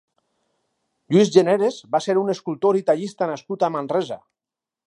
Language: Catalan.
Lluís Generes va ser un escultor i tallista nascut a Manresa.